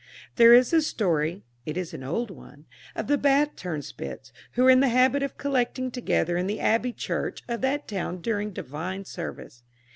There is a story (it is an old one) of the Bath turnspits, who were in the habit of collecting together in the abbey church of that town during divine service.